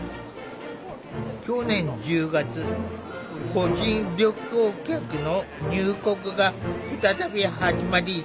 去年１０月個人旅行客の入国が再び始まり